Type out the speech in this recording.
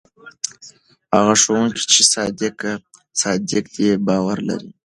هغه ښوونکی چې صادق دی باور لري.